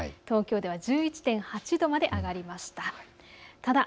東京では１１．８度まで上がりました。